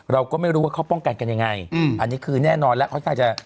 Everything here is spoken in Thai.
เราก็ไม่รู้ว่าเขาป้องกันกันยังไงอันนี้คือแน่นอนแล้วค่อนข้างจะ